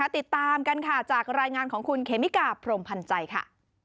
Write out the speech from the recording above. ติดตามกันค่ะจากรายงานของคุณเคมิกาพรมพันธ์ใจค่ะ